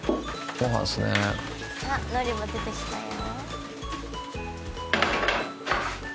あっのりも出てきたよ。